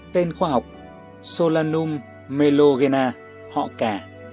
tên khoa học solanum mellogena họ cà